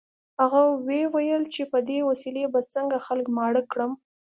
هغه ویې ویل چې په دې وسیلې به څنګه خلک ماړه کړم